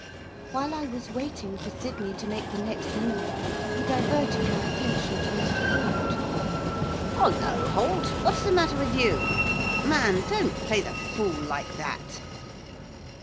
While I was waiting for Sydney to make the next move, he diverted my attention to Mr Holt. 'Hollo, Holt, what's the matter with you? Man, don't play the fool like that!